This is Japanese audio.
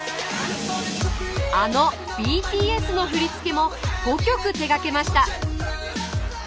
あのＢＴＳの振り付けも５曲手がけました。